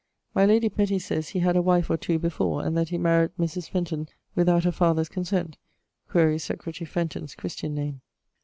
My lady Petty sayes he had a wife or two before, and that he maried Mris. Fenton[AW] without her father's consent (quaere Secretary Fenton's Christian name[AX]).